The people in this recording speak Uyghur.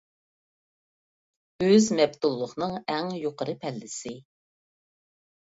ئۆز مەپتۇنلۇقنىڭ ئەڭ يۇقىرى پەللىسى.